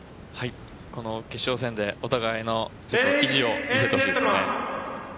この決勝戦でお互いの意地を見せてほしいですね。